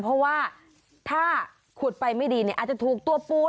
เพราะว่าถ้าขุดไปไม่ดีเนี่ยอาจจะถูกตัวปูน